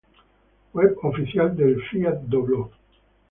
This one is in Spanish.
Web oficial del Fiat Dobló